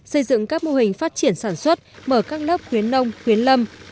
xây dựng các mô hình phát triển sản xuất mở các lớp khuyến nông khuyến lâm